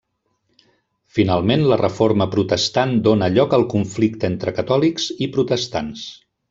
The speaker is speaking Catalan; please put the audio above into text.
Finalment, la Reforma protestant dóna lloc al conflicte entre catòlics i protestants.